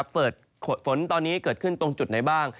ฝนตอนนี้เกิดขึ้นตรงจุดไหนบ้าง